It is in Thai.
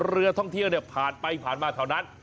เรือท่องเที่ยวเนี่ยผ่านไปผ่านมาแถวนั้น